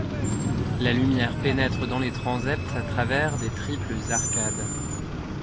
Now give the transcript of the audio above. La lumière pénètre dans les transepts à travers des triples arcades.